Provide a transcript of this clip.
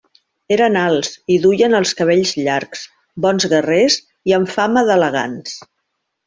Eren alts i duien els cabells llargs, bons guerrers i amb fama d'elegants.